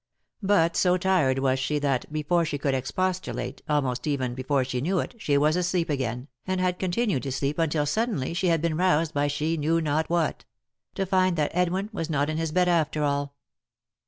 But so tired was she that, before she could expostulate, almost even, before she knew it, she was asleep again, and had continued to sleep, until suddenly she had been roused by she knew not what ; to find that Edwin was not in his bed after all.